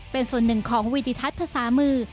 เป็นส่วนหนึ่งของวิธีทัศน์ภาษามือ